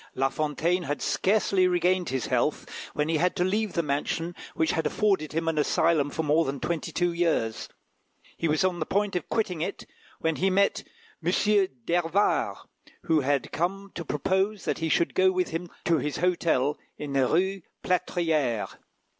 La Fontaine had scarcely regained his health, when he had to leave the mansion which had afforded him an asylum for more than twenty two years; he was on the point of quitting it when he met M. d'Hervart, who had come to propose that he should go with him to his hotel in the Rue Plâtrière.